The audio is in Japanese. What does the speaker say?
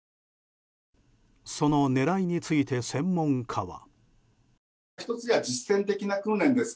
その狙いについて専門家は。